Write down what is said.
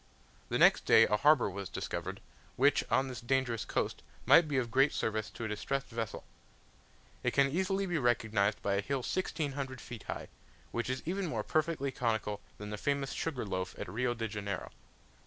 The next day a harbour was discovered, which on this dangerous coast might be of great service to a distressed vessel. It can easily be recognized by a hill 1600 feet high, which is even more perfectly conical than the famous sugar loaf at Rio de Janeiro.